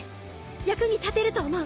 役に立てると思う。